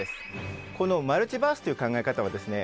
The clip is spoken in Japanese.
このマルチバースという考え方はですね